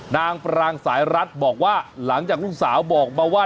ปรางสายรัฐบอกว่าหลังจากลูกสาวบอกมาว่า